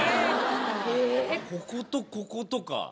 こことこことか。